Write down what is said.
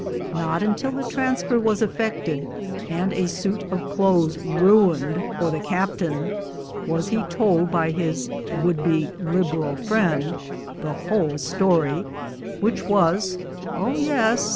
Not until the transfer was effected, and a suit of clothes ruined for the captain, was he told by his would be liberal friend the whole story, which was, " Oh yes